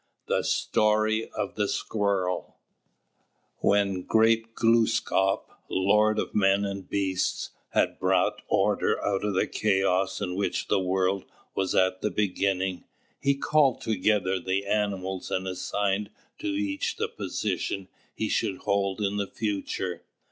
STORY OF THE SQUIRREL When great Glūskap, lord of men and beasts, had brought order out of the chaos in which the world was at the beginning, he called together the animals and assigned to each the position he should hold in the future.